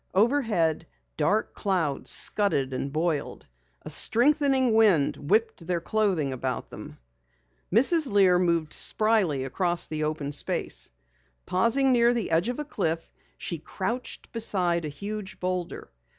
Overhead, dark clouds scudded and boiled; a strengthening wind whipped their clothing about them. Mrs. Lear moved spryly across the open space. Pausing near the edge of a cliff, she crouched beside a huge boulder.